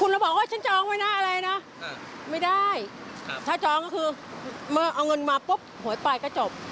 เราปวดหัวเรื่องหวยนี่ไม่ได้ต้องละเอียด